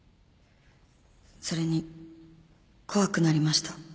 それに怖くなりました